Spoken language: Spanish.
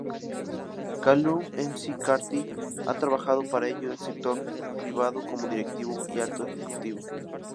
Callum McCarthy ha trabajado para el sector privado como directivo y alto ejecutivo.